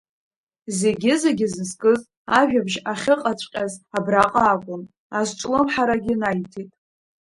Зегьы-зегьы зызкыз, ажәабжь ахьыҟаҵәҟьаз абраҟа акәын, азҿлымҳарагьы наиҭеит.